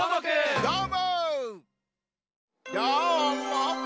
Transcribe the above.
どうも！